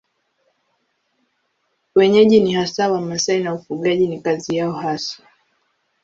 Wenyeji ni hasa Wamasai na ufugaji ni kazi yao hasa.